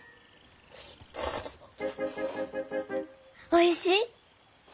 おいしい？